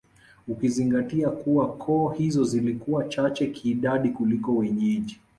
Ukizingatia kuwa koo hizo zilikuwa chache kiidadi kuliko wenyeji